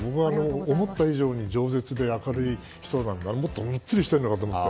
思った以上に饒舌で明るい人でもっとむっつりしているのかと思って。